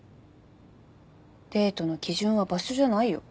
デートの基準は場所じゃないよ。